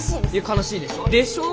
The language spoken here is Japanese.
悲しいでしょう。でしょう。